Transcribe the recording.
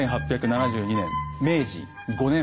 １８７２年明治５年。